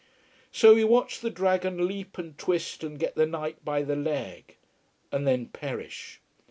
So we watched the dragon leap and twist and get the knight by the leg: and then perish.